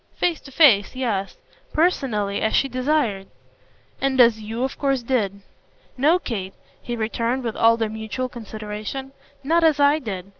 "Face to face, yes. Personally, as she desired." "And as YOU of course did." "No, Kate," he returned with all their mutual consideration; "not as I did.